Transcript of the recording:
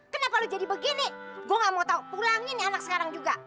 kenapa lo jadi begini gue gak mau tahu pulangin anak sekarang juga